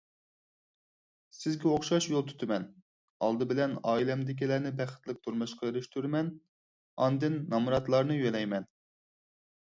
سىزگە ئوخشاش يول تۇتىمەن، ئالدى بىلەن ئائىلەمدىكىلەرنى بەختلىك تۇرمۇشقا ئېرىشتۈرىمەن، ئاندىن نامراتلارنى يۆلەيمەن.